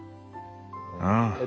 ああ。